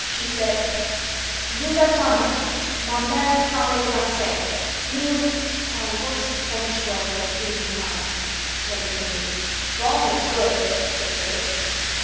She said: "Vous attendre. Ma mere parlez Francais. Nous what's the French for 'being kind'?" Nobody knew. "Bong is 'good,'" said Phyllis.